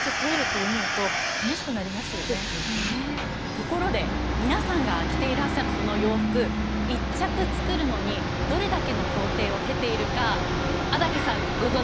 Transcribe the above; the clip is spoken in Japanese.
ところで皆さんが着ていらっしゃるその洋服１着作るのにどれだけの工程を経ているか安宅さんご存じですか？